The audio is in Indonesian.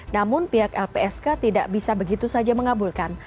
namun pihak lpsk tidak bisa begitu saja mengabulkan